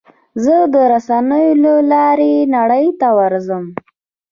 زه د رسنیو له لارې نړۍ ته ورځم.